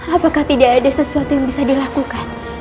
apakah tidak ada sesuatu yang bisa dilakukan